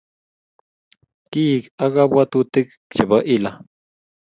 Keek ak kabwatutik chepo hila.